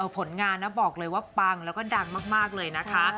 ผลงานนะบอกเลยว่าปังแล้วก็ดังมากเลยนะคะ